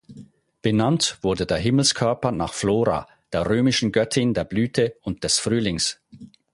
Benannt wurde der Himmelskörper nach Flora, der römischen Göttin der Blüte und des Frühlings.